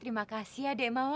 terima kasih adek mawar